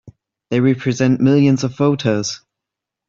They represent millions of voters!